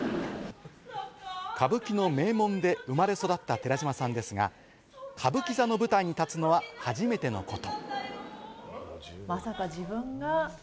歌舞伎の名門で生まれ育った寺島さんですが、歌舞伎座の舞台に立つのは初めてのこと。